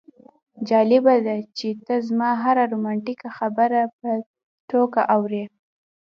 جالبه ده چې ته زما هره رومانتیکه خبره په ټوکه اړوې